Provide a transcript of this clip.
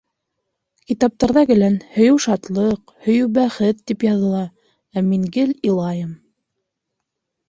Китаптарҙа гелән «һөйөү - шатлыҡ, һөйөү - бәхет» тип яҙыла, ә мин гел илайым.